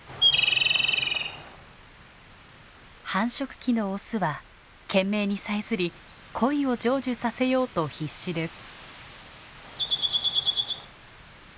繁殖期のオスは懸命にさえずり恋を成就させようと必死です。